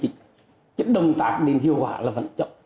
những động tác đến hiệu quả là vấn trọng